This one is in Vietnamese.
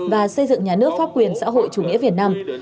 và xây dựng nhà nước pháp quyền xã hội chủ nghĩa việt nam